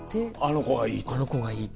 あの子がいいと。